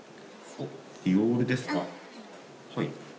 はい。